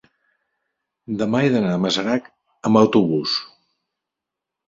demà he d'anar a Masarac amb autobús.